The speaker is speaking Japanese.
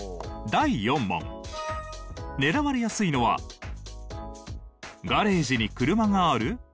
第４問狙われやすいのはガレージに車がある？